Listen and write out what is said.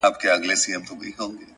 پوهنه او روزنه